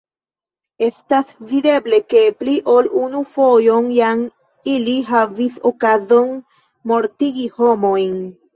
Estas videble, ke pli ol unu fojon jam ili havis okazon mortigi homojn!